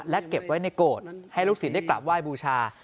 และเก็บไว้ในโกรธให้ลูกศิษย์ได้กลับไหว้บูชา